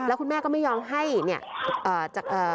แล้วคุณแม่ก็ไม่ยอมให้เนี่ยจากเอ่อ